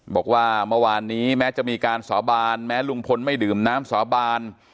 บอกว่าเมื่อวานนี้แม้จะมีการสาบานแม้ลุงพลไม่ดื่มน้ำสาบาน